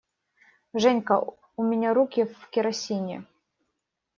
Женька, у меня руки в керосине!